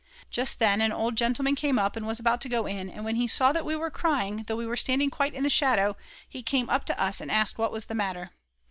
Just then an old gentleman came up and was about to go in, and when he saw that we were crying, though we were standing quite in the shadow, he came up to us and asked what was the matter.